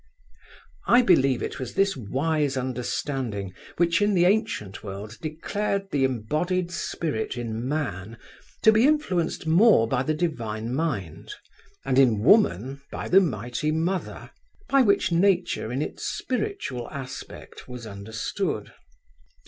I believe it was this wise understanding which in the ancient world declared the embodied spirit in man to be influenced more by the Divine Mind and in woman by the Mighty Mother, by which nature in its spiritual aspect was understood.